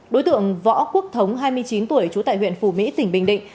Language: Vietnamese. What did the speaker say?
đối tượng võ quốc thống hai mươi chín tuổi trú tại huyện phù mỹ tỉnh bình định